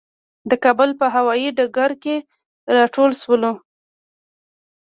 د کابل په هوايي ډګر کې راټول شولو.